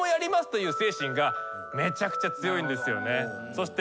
そして。